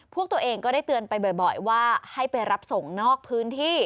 พวกตัวเองก็ได้เตือนไปบ่อยว่าให้ไปรับส่งนอกพื้นที่